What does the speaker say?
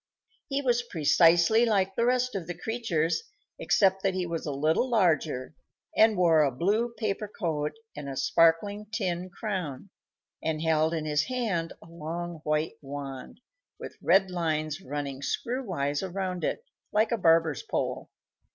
He was precisely like the rest of the creatures, except that he was a little larger, and wore a blue paper coat and a sparkling tin crown, and held in his hand a long white wand, with red lines running screw wise around it, like a barber's pole.